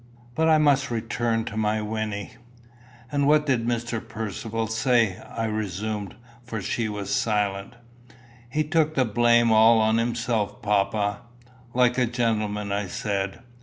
But I must return to my Wynnie. "And what did Mr. Percivale say?" I resumed, for she was silent. "He took the blame all on himself, papa." "Like a gentleman," I said.